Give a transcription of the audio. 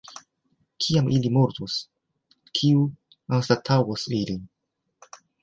Kiam ili mortos, kiu anstataŭos ilin?